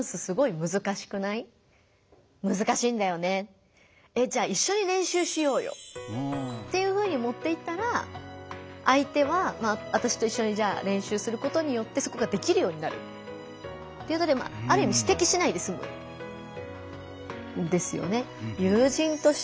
「むずかしいんだよね」。っていうふうに持っていったら相手は私と一緒にじゃあ練習することによってそこができるようになるということである意味指摘しないですむんですよね。